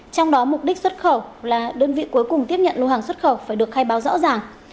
trong đó mục đích xuất khẩu là đơn vị cuối cùng tiếp nhận lô hàng xuất khẩu phải được khai báo rõ ràng